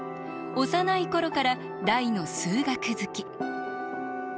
幼い頃から大の数学好き。